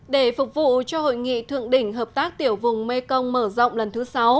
để phục vụ cho hội nghị thượng đỉnh hợp tác tiểu vùng mekong mở rộng lần thứ sáu